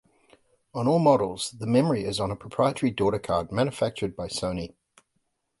On all models, the memory is on a proprietary daughtercard manufactured by Sony.